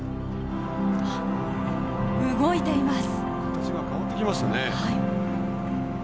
動いています。